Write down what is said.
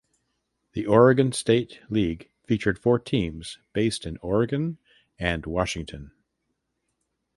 The Oregon State League featured four teams based in Oregon and Washington.